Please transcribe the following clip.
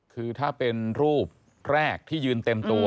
คือถ้าเป็นรูปแรกที่ยืนเต็มตัว